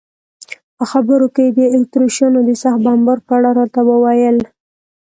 په خبرو کې یې د اتریشیانو د سخت بمبار په اړه راته وویل.